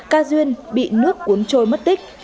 ca duyên bị nước cuốn trôi mất tích